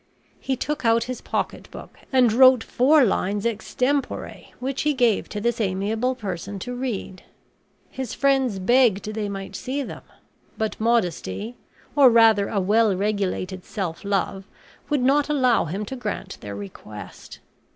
He took out his pocketbook, and wrote four lines extempore, which he gave to this amiable person to read. His friends begged they might see them; but modesty, or rather a well regulated self love, would not allow him to grant their request.